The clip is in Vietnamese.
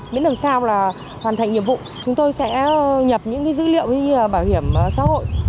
miễn làm sao là hoàn thành nhiệm vụ chúng tôi sẽ nhập những dữ liệu bảo hiểm xã hội